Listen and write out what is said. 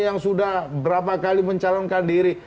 yang sudah berapa kali mencalonkan diri